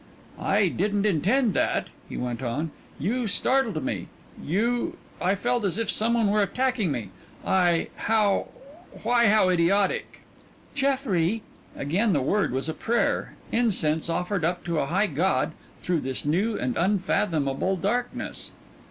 "I didn't intend that," he went on; "you startled me. You I felt as if some one were attacking me. I how why, how idiotic!" "Jeffrey!" Again the word was a prayer, incense offered up to a high God through this new and unfathomable darkness.